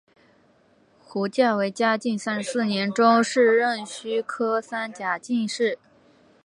胡价为嘉靖三十四年中式壬戌科三甲进士。